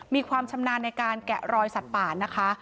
มีความชำนาญในการแกะรอยสัตว์ป่านะคะ